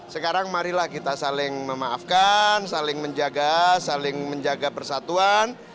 sekarang marilah kita saling memaafkan saling menjaga saling menjaga persatuan